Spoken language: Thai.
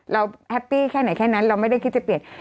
แฮปปี้แค่ไหนแค่นั้นเราไม่ได้คิดจะเปลี่ยน